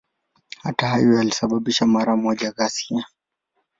Hayo yote yalisababisha mara moja ghasia.